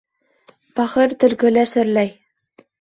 Бахыр төлкө лә шөрләй.